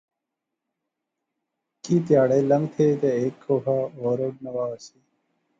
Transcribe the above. کی تہارے لنگتھے تہ ہیک کھوخا ہور اڈنوں وہا ہوسی